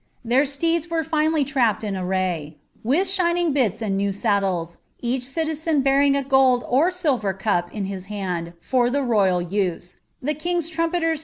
Their steeds were finely trapped in array, wuli sliining bits and new saddles, each citizen bearing a gold or liiirt nip in his hand for the royal use, the king's trumpeters